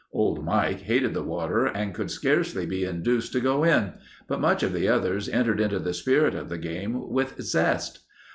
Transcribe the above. Old Mike hated the water and could scarcely be induced to go in, but most of the others entered into the spirit of the game with zest.